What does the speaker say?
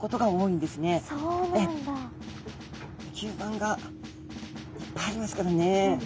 吸盤がいっぱいありますからね。